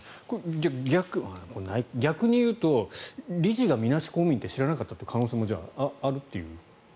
逆に言うと理事が、みなし公務員って知らなかったって可能性もあるという？